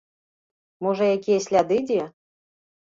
Можа якія сляды дзе?